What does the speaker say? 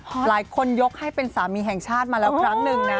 หลายคนยกให้เป็นสามีแห่งชาติมาแล้วครั้งหนึ่งนะ